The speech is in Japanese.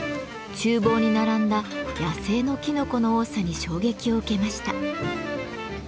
厨房に並んだ野生のきのこの多さに衝撃を受けました。